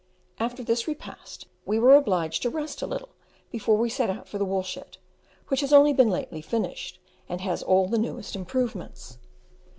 After this repast we were obliged to rest a little before we set out for the wool shed, which has only been lately finished, and has all the newest improvements.